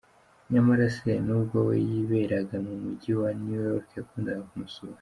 Nyamara se, n’ubwo we yiberaga mu mujyi wa New York yakundaga kumusura.